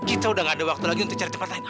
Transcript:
kita udah gak ada waktu lagi untuk cari tempat lain